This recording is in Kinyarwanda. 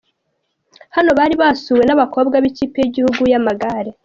Hano bari basuwe n'abakobwa b'ikipe y'igihugu y'amagare.